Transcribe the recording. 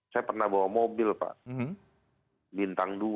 saya pernah bawa mobil pak bintang dua